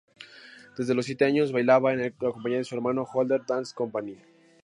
Desde los siete años bailaba en la compañía de su hermano 'Holder Dance Company'.